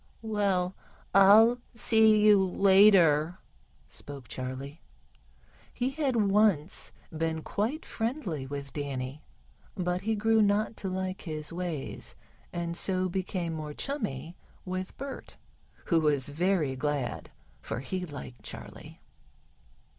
"Well, I'll see you later," spoke Charley. He had once been quite friendly with Danny, but he grew not to like his ways, and so became more chummy with Bert, who was very glad, for he liked Charley.